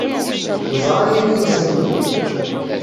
Neẓra yagi asaru-a.